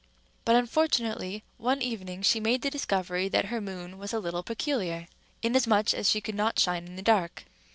But, unfortunately, one evening she made the discovery that her moon was a little peculiar, inasmuch as she could not shine in the dark.